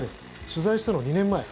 取材したの２年前。